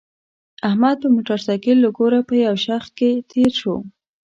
احمد په موټرسایکل له کوره په یو شخ کې تېر شو.